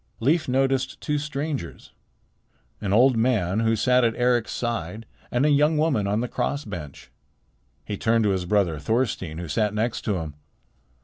Leif noticed two strangers, an old man who sat at Eric's side and a young woman on the cross bench. He turned to his brother Thorstein who sat next to him.